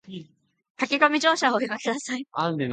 駆け込み乗車はおやめ下さい